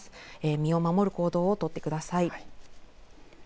身を守る行動を取ってください。